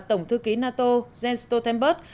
tổng thư ký nato jens stoltenberg